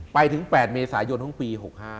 ไปถึง๘เมษายนของปี๖๕